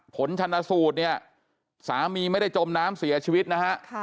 ผลชนสูตรเนี่ยสามีไม่ได้จมน้ำเสียชีวิตนะฮะ